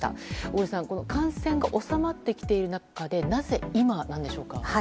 小栗さん、感染が収まってきている中でなぜ今なんでしょうか。